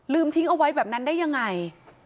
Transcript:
ทิ้งเอาไว้แบบนั้นได้ยังไง